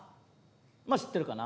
まあ知ってるかな。